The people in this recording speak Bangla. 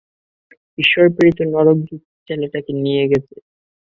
ঈশ্বরের প্রেরিত নরকের দূত ছেলেটাকে নিয়ে গেছে!